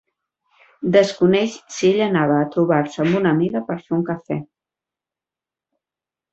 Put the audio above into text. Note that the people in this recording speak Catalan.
Desconeix si ella anava a trobar-se amb una amiga per fer un cafè.